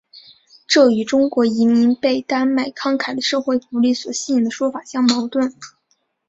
这与中国移民被丹麦慷慨的社会福利所吸引的说法相矛盾。